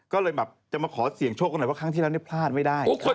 ก็เลยแบบจะมาขอเสี่ยงโชคกันหน่อยว่าครั้งที่แล้วเนี่ยพลาดไม่ได้